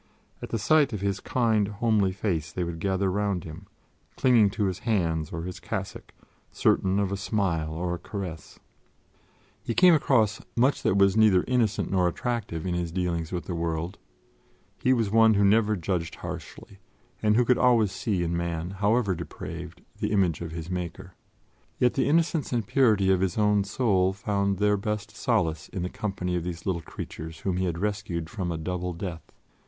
At the sight of his kind, homely face, they would gather round him, clinging to his hands or his cassock, certain of a smile or a caress. He came across much that was neither innocent nor attractive in his dealings with the world; he was one who never judged harshly, and who could always see in man, however depraved, the image of his Maker; yet the innocence and purity of his own soul found their best solace in the company of these little creatures whom he had rescued from a double death.